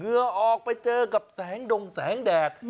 เหือออกไปเจอกับแสงดงแสงแดด